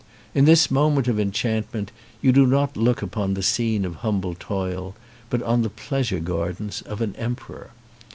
In this moment of enchantment you do not look upon the scene of humble toil, but on the pleasure gardens of an emperor.